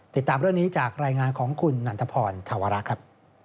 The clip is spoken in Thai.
ติดตามเรื่องนี้จากรายงานของคุณนันทพรธวระครับ